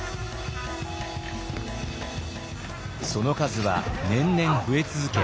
その数は年々増え続け